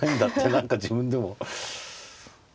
何か自分でも。